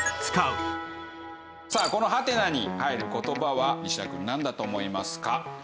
さあこのハテナに入る言葉は西田くんなんだと思いますか？